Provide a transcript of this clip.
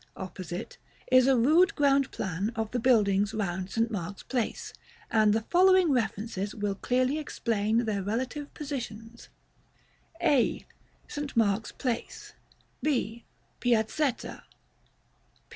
opposite is a rude ground plan of the buildings round St. Mark's Place; and the following references will clearly explain their relative positions: A. St. Mark's Place. B. Piazzetta.